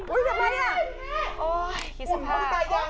โอ้ยคิดสภาพ